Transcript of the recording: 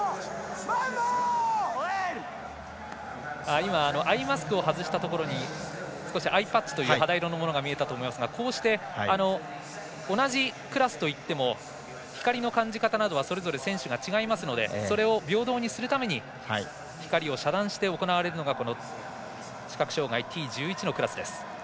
今、アイマスクを外したところに少しアイパッチという肌色のものが見えたと思いますがこうして、同じクラスといっても光の感じ方などは選手が違いますのでそれを平等にするために光を遮断して行われるのが視覚障がいＴ１１のクラスです。